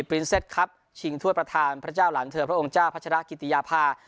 รินเซ็ตครับชิงถ้วยประธานพระเจ้าหลานเธอพระองค์เจ้าพัชรกิติยาภา